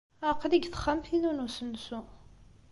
Aql-iyi deg texxamt-inu n usensu.